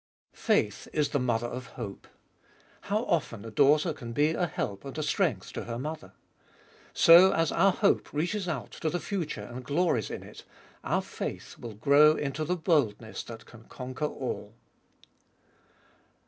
7. Faith Is the mother of hope. How often a daughter can be a help and a strength to her mother. So, as our hope reaches out to the future and glories In It, our faith will grow into the boldness that can conquer all.